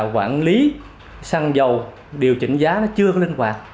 quản lý xăng dầu điều chỉnh giá nó chưa có linh hoạt